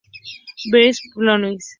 Vizconde Halifax.